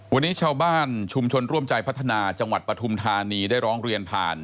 วันนี้ชาวบ้านชุมชนร่วมใจพัฒนาจังหวัดปฐุมธานีได้ร้องเรียนผ่าน